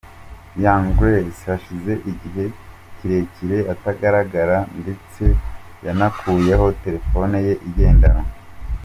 Young Grace hashize igihe kirekire atagaragara ndetse yanakuyeho telefone ye igendanwa.